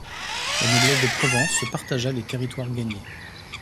La noblesse de Provence se partagea les territoires gagnés.